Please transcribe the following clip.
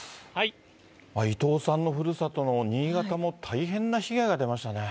伊藤さんのふるさとの新潟も大変な被害が出ましたね。